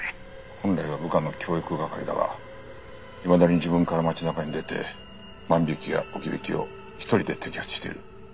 本来は部下の教育係だがいまだに自分から町中に出て万引きや置き引きを一人で摘発している。